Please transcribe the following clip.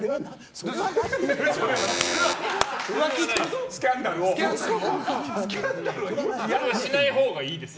それはしないほうがいいですよ。